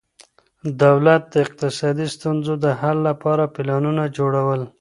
دولت د اقتصادي ستونزو د حل لپاره پلانونه جوړول.